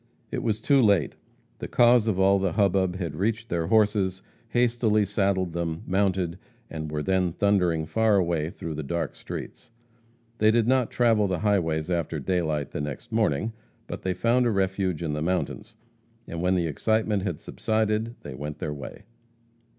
It was too late. The cause of all the hubbub had reached their horses, hastily saddled them, mounted, and were then thundering far away through the dark streets. They did not travel the highways after daylight next morning. But they found a refuge in the mountains, and when the excitement had subsided they went their way.